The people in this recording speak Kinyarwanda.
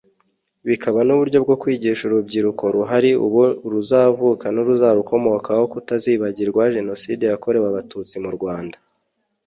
Bikaba n’uburyo bwo kwigisha urubyiruko ruhari ubu uruzavuka n’uzarukomokaho kutazibagirwa Jenoside yakorewe Abatutsi mu Rwanda